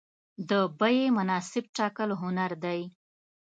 د بیې مناسب ټاکل هنر دی.